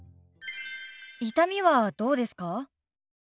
痛みはどうですか？